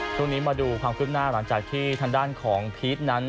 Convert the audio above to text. ทุกหนึ่งมาดูความพิมพ์หน้าหลังจากที่ทางด้านของพีชนั้น